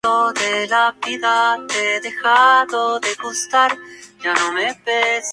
Destaca el mirador desde el que puede ser vista Segovia.